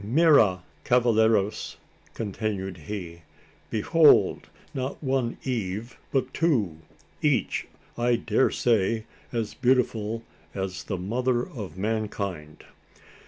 Mira! cavalleros!" continued he. "Behold! not one Eve, but two! each, I daresay, as beautiful as the mother of mankind!"